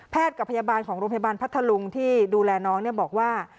กับพยาบาลของโรงพยาบาลพัทธลุงที่ดูแลน้องบอกว่า